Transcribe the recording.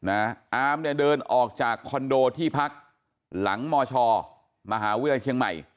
อามเดินออกจากคอนโดที่พักหลังมชมหาเวียนเชียงใหม่